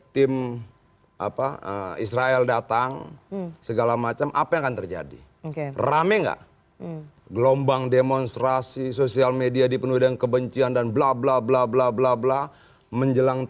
tapi kalau secara nilai kita meyakini langkah ini benar